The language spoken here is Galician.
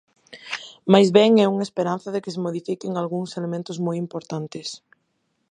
Máis ben é unha esperanza de que se modifiquen algúns elementos moi importantes.